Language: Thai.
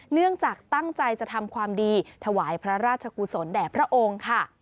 เนื่องจากตั้งใจจะทำความดีถวายพระราชกุศลแด่พระองค์ค่ะ